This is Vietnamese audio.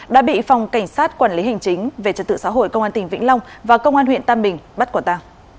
đã bị phòng cảnh sát quản lý hành chính về trật tự xã hội công an tỉnh vĩnh long và công an huyện tam bình bắt quả ta